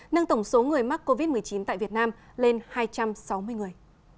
nâng tổng số người mắc covid một mươi chín tại việt nam lên hai trăm sáu mươi người